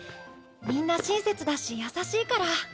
みんな親切だし優しいから。